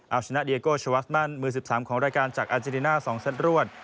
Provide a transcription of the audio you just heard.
เอาชนะเดียโกชวาสนั่นมือ๑๓ของรายการจากอาเจริน่า๒เซตรวด